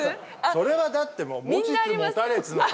それはだってもう持ちつ持たれつの関係じゃない。